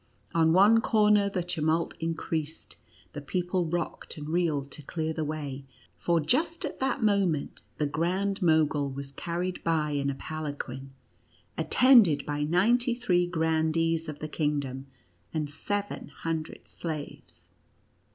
On one corner the tumult increased; the people rocked and reeled to clear the way, for just at that moment the Grand Mogul was carried by in a palanquin, attended by ninety three grandees of the kingdom, and seven hundred slaves.